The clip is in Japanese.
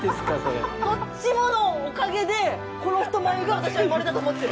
どっちものおかげでこの太眉が私は生まれたと思ってる。